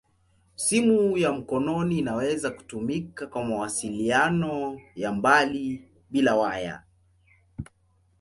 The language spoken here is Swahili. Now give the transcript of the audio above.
Simu ya mkononi inaweza kutumika kwa mawasiliano ya mbali bila waya.